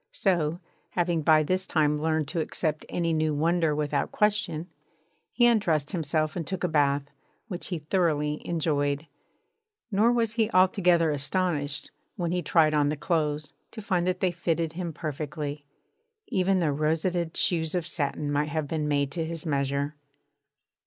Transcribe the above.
So, having by this time learnt to accept any new wonder without question, he undressed himself and took a bath, which he thoroughly enjoyed. Nor was he altogether astonished, when he tried on the clothes, to find that they fitted him perfectly. Even the rosetted shoes of satin might have been made to his measure.